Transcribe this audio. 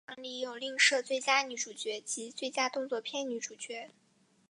颁奖礼有另设最佳女主角及最佳动作片女主角。